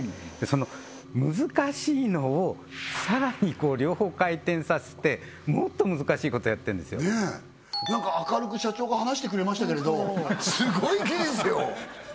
その難しいのをさらに両方回転させてもっと難しいことやってんですよなんか明るく社長が話してくれましたけれどスゴい技術よ！